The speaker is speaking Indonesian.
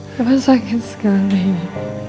mama sakit sekali